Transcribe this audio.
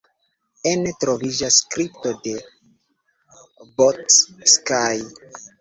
Ene troviĝas kripto de Bocskai.